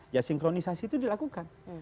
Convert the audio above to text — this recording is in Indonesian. ya sinkronisasi itu dilakukan